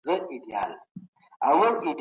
ستنې هم د لېږد لامل دي.